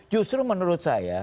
justru menurut saya